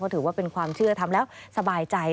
ถือว่าเป็นความเชื่อทำแล้วสบายใจ